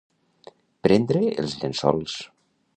Prendre els llençols.